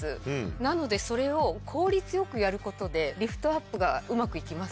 なのでそれを効率よくやることでリフトアップがうまく行きます。